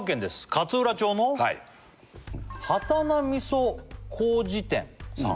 勝浦町のはい畑名味噌糀店さん